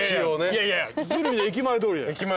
いやいや鶴見の駅前通りだよ。